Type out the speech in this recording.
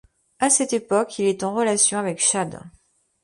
À cette époque, il est en relation avec Chad.